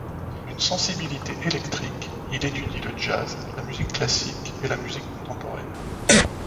D'une sensibilité éclectique, il étudie le jazz, la musique classique et la musique contemporaine.